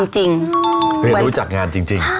จริงเรียนรู้จักงานจริง